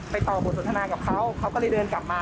ต่อบทสนทนากับเขาเขาก็เลยเดินกลับมา